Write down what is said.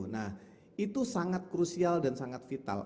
nah itu sangat krusial dan sangat vital